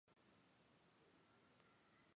另外有很多插件可以用来扩展兼容性和功能。